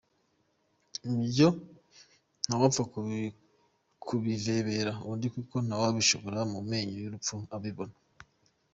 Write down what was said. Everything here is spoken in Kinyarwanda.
Ibyo ntawapfa kubivebera undi kuko ntawakwishora mu menyo y’urupfu abibona.